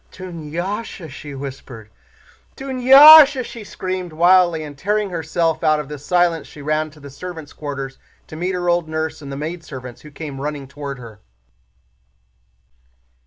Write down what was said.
"Dunyásha," she whispered. "Dunyásha!" she screamed wildly, and tearing herself out of this silence she ran to the servants' quarters to meet her old nurse and the maidservants who came running toward her.